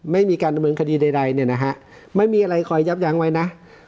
ไม่มีการดำเนินคดีใดเนี่ยนะฮะไม่มีอะไรคอยยับยั้งไว้นะ